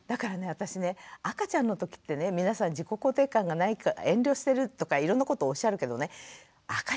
私ね赤ちゃんの時ってね皆さん自己肯定感がないから遠慮してるとかいろんなことおっしゃるけどねだって